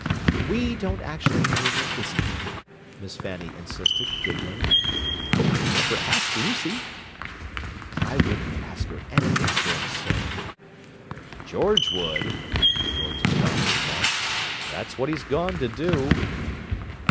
"We don't actually know there isn't," Miss Fanny insisted, giggling. "We've never asked Lucy." "I wouldn't ask her anything so absurd!" "George would," George's father remarked. "That's what he's gone to do."